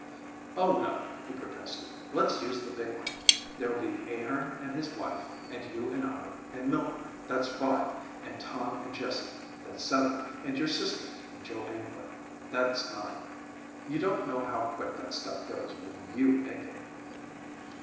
"Oh, no," he protested, "let's use the big one. There'll be Ahearn and his wife and you and I and Milton, that's five, and Tom and Jessie, that's seven: and your sister and Joe Ambler, that's nine. You don't know how quick that stuff goes when YOU make it."